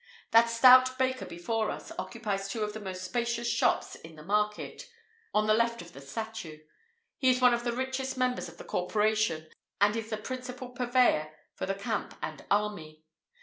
[IV 69] That stout baker before us occupies two of the most spacious shops in the market, on the left of the statue; he is one of the richest members of the corporation, and is the principal purveyor for the camp and army.